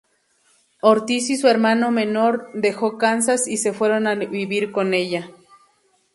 Ortiz y su hermano menor dejó Kansas y se fueron a vivir con ella.